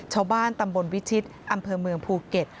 ชาวบ้านตำบลวิชิตอำเภอเมืองภูเก็ต